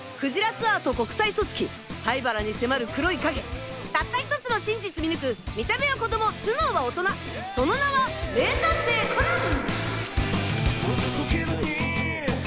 ツアーと国際組織灰原に迫る黒い影たった１つの真実見抜く見た目は子供頭脳は大人その名は名探偵コナン！